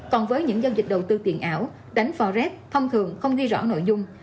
còn với những giao dịch đầu tư tiền ảo đánh phò rét thông thường không ghi rõ nội dung